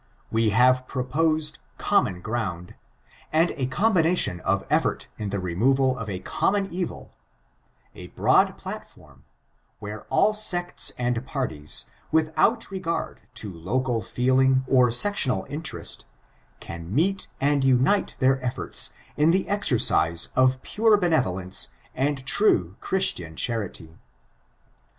We have proposed common ground, and a combination of effort in the removal of a conmion evil — a broad platform, where all sects and parties, without regard to local feeling or sectional interest, can meet and unite their efforts in the exercise of pure benevolence and true Christian charity.